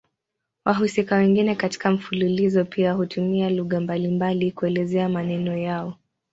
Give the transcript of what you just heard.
Wahusika wengine katika mfululizo pia hutumia lugha mbalimbali kuelezea maneno yao.